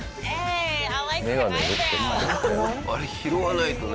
あれ拾わないとね。